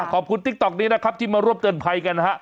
ขอบคุณติ๊กต๊อกนี้นะครับที่มารวมเตือนภัยกัน